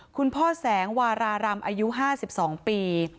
คุณพ่อแสงวารารำอายุ๕๒ปี